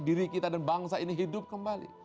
diri kita dan bangsa ini hidup kembali